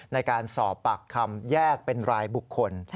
ในการสอบปากคำแยกเป็นรายบุคคล